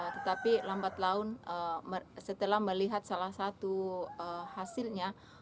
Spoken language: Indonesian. tetapi lambat laun setelah melihat salah satu hasilnya